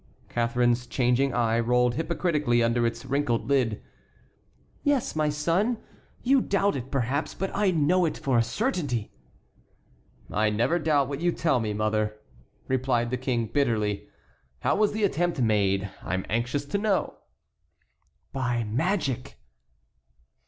Catharine's changing eye rolled hypocritically under its wrinkled lid. "Yes, my son; you doubt it, perhaps, but I know it for a certainty." "I never doubt what you tell me, mother," replied the King, bitterly. "How was the attempt made? I am anxious to know." "By magic."